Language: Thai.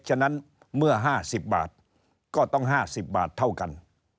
ฉะนั้นเมื่อ๕๐บาทก็ต้อง๕๐บาทเท่ากัน